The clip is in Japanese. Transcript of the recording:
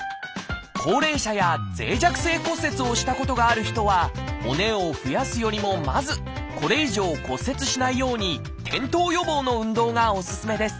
高齢者や脆弱性骨折をしたことがある人は骨を増やすよりもまずこれ以上骨折しないように転倒予防の運動がおすすめです。